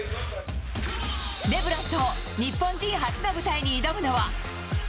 レブロンと日本人初の舞台に挑むのは。